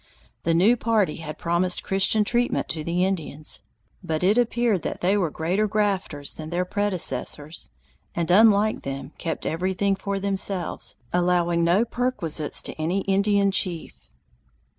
The new party had promised Christian treatment to the Indians, but it appeared that they were greater grafters than their predecessors, and unlike them kept everything for themselves, allowing no perquisites to any Indian chief.